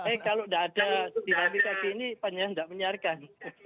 eh kalau tidak ada dinamika gini panjangan tidak menyiarkan